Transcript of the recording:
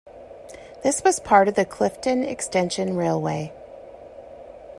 This was part of the Clifton Extension Railway.